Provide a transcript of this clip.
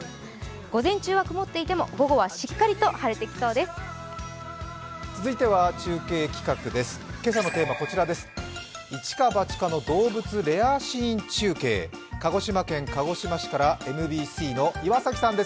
午前中は曇っていても、午後はしっかりと晴れてきそうです。